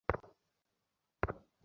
কোন জানালা এটা?